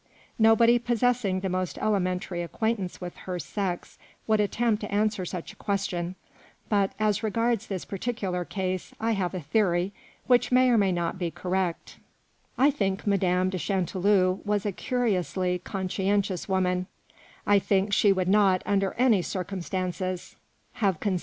Nobody possessing the most elementary acquaintance with her sex would attempt to answer such a question ; but, as regards this particular case, I have a theory, which may or may not be correct. I think Madame de Chanteloup was a curiously con scientious woman ; I think she would not, under any circumstances, have consented to tell *I WAS STROLLING DOWN THE CHAMPS ELYSEES ONE AFTERNOON, ...